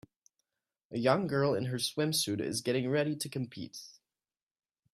A young girl in her swimsuit is getting ready to compete.